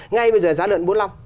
ngay bây giờ giá lợn bốn mươi năm